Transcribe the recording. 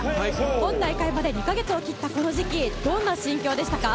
本大会まで２か月を切ったこの時期どんな心境でしたか。